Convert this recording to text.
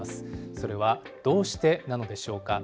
それはどうしてなのでしょうか。